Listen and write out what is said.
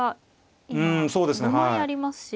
うんそうですねはい。